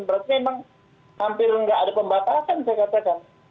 berarti memang hampir nggak ada pembatasan saya katakan